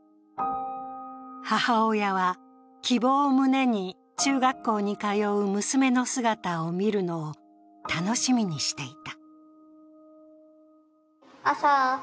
母親は、希望を胸に中学校に通う娘の姿を見るのを楽しみにしていた。